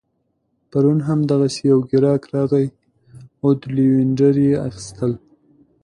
پرون هم دغسي یو ګیراک راغی عود لوینډر يې اخيستل